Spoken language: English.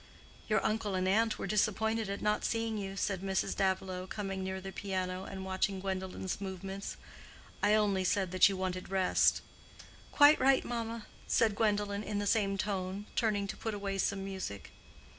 "Your uncle and aunt were disappointed at not seeing you," said Mrs. Davilow, coming near the piano, and watching Gwendolen's movements. "I only said that you wanted rest." "Quite right, mamma," said Gwendolen, in the same tone, turning to put away some music.